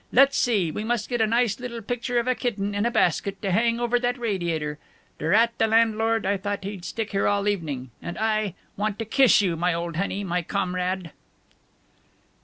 Let's see, we must get a nice little picture of a kitten in a basket, to hang over that radiator. Drat the landlord, I thought he'd stick here all evening, and I want to kiss you, my old honey, my comrade!"